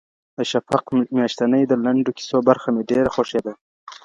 د شفق میاشتنۍ د لنډو کیسو برخه مي ډېره خوښېده.